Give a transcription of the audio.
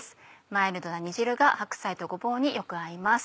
マイルドな煮汁が白菜とごぼうによく合います。